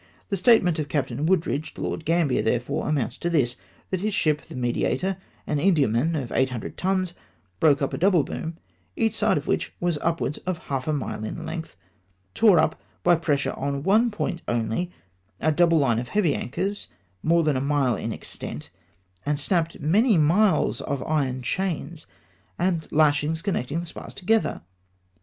The statement of Captain Wooldridge to Lord Gam bier, therefore, amomits to tliis, — that his ship, the Mediator, an Indiaman of 800 tons, broke up a double boom, each side of which was upwards of half a mile in length ; tore up, by pressure on one point only, a double hue of heavy anchors more than a mile in extent ; and snapped many miles of iron chains and lashings con necting the spars together!!!